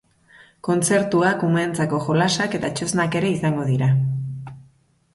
Kontzertuak, umeentzako jolasak eta txosnak ere izango dira.